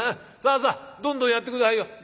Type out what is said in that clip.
さあさあどんどんやって下さいよ。